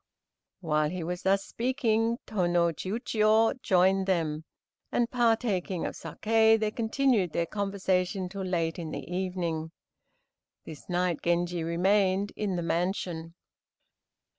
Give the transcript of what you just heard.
While he was thus speaking Tô no Chiûjiô joined them, and, partaking of saké, they continued their conversation till late in the evening. This night Genji remained in the mansion.